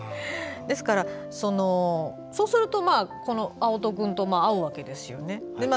ですから、そうするとこの青戸君と会うわけですね。